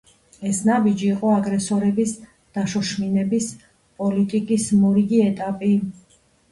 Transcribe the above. ეს ნაბიჯი იყო აგრესორების „დაშოშმინების“ პოლიტიკის მორიგი ეტაპი.